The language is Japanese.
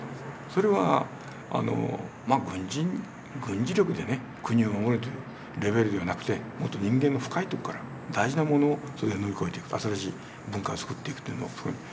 それは軍事力で国を守れというレベルではなくてもっと人間の深いとこから大事なものを乗り越えていく新しい文化をつくっていくというのを。